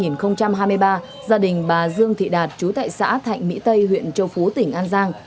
chiều ngày một tháng hai năm hai nghìn hai mươi ba gia đình bà dương thị đạt chú tại xã thạnh mỹ tây huyện châu phú tỉnh an giang